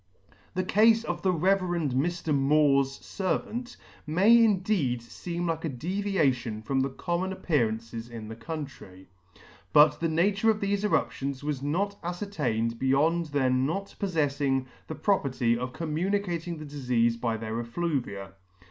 The Cafe of the Rev. Mr. Moore's fervant may indeed feem like a deviation from the common appearances in the country, but the nature of thefe eruptions was not afcertained beyond their not poffefling the property of communicating the difeafe by their effluvia.